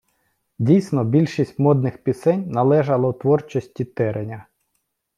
Дійсно, більшість модних пісень належало творчості Тереня.